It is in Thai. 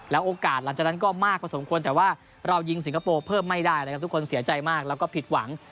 โอกาสหลังจากนั้นก็มากพอสมควรแต่ว่าเรายิงสิงคโปร์เพิ่มไม่ได้นะครับทุกคนเสียใจมากแล้วก็ผิดหวัง